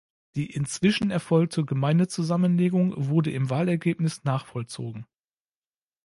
Die inzwischen erfolgte Gemeindezusammenlegung wurde im Wahlergebnis nachvollzogen.